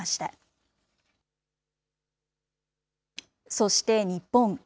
そして日本。